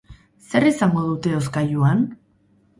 Zer izango dute hozkailuan?